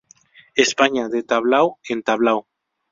España: De Tablao en Tablao.